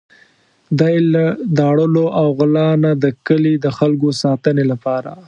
دی له داړلو او غلا نه د کلي د خلکو ساتنې لپاره.